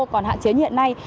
còn hạn chế như hiện nay